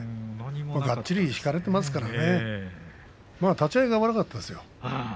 がっちり引かれていますけどね立ち合いが悪かったですよ。